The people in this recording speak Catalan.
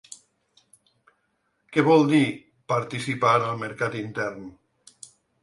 Què vol dir ‘participar en el mercat intern’?